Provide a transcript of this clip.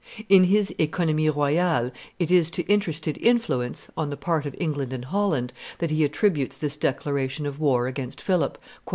In his OEconomies royales it is to interested influence, on the part of England and Holland, that he attributes this declaration of war against Philip II.